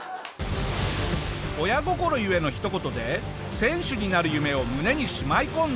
親心故のひと言で選手になる夢を胸にしまい込んだ